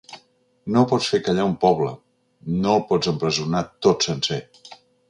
No pots fer callar un poble, no el pots empresonar tot sencer.